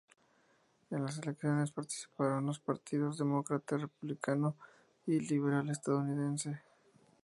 En las elecciones participaron los partidos demócrata, republicano y liberal estadounidense.